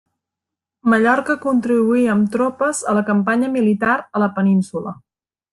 Mallorca contribuí amb tropes a la campanya militar a la península.